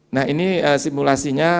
nah ini simulasinya